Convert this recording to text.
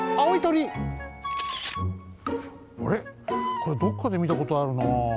これどっかでみたことあるなあ。